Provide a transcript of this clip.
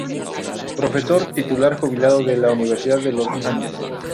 Profesor Titular Jubilado de la Universidad de Los Andes.